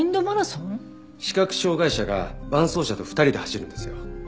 視覚障害者が伴走者と２人で走るんですよ。